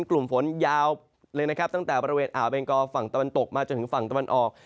กลุ่มฝนยาวเลยนะครับตั้งแต่บริเวณอ่าวเบงกอฝั่งตะวันตกมาจนถึงฝั่งตะวันออก